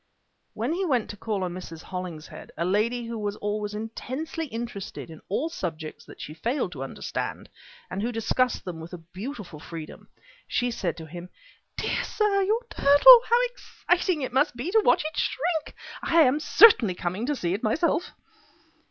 When he went to call on Mrs. Hollingshead, a lady who was always intensely interested in all subjects that she failed to understand and who discussed them with a beautiful freedom, she said to him: "Dear sir, your turtle. How exciting it must be to watch it shrink! I am certainly coming to see it myself."